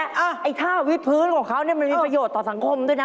ไอ้ท่าวิพื้นของเขาเนี่ยมันมีประโยชน์ต่อสังคมด้วยนะ